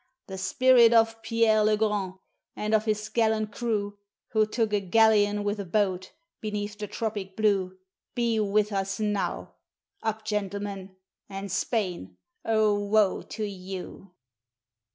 The spirit of Pierre le Grand and of his gallant crew, Who took a galleon with a boat, beneath the tropic blue, Be with us now! Up, gentlemen! and, Spain, oh, woe to you!